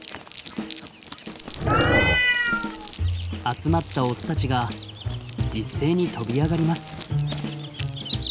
集まったオスたちが一斉に飛び上がります。